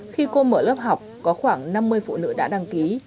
khi cô mở lớp học có khoảng năm mươi phụ nữ đã đăng ký